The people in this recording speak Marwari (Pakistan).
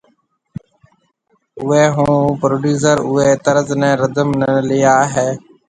اوئي ھونپروڊيوسر اوئي طرز ني رڌم لي آوي ھيَََ